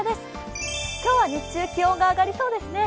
今日は日中、気温が上がりそうですね。